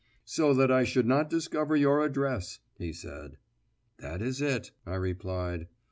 "So that I should not discover your address," he said. "That is it," I replied.